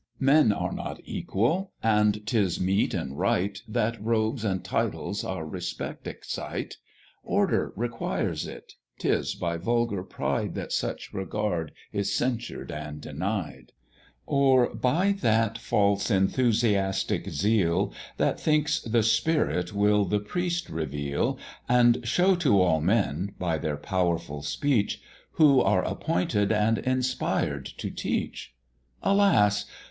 Men are not equal, and 'tis meet and right That robes and titles our respect excite; Order requires it; 'tis by vulgar pride That such regard is censured and denied; Or by that false enthusiastic zeal, That thinks the Spirit will the priest reveal, And show to all men, by their powerful speech, Who are appointed and inspired to teach: Alas!